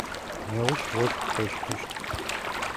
Неущ ощх къещхыщт.